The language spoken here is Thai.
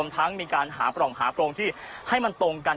ทั้งมีการหาปล่องหาโพรงที่ให้มันตรงกัน